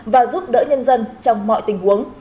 và giúp đỡ nhân dân trong mọi tình huống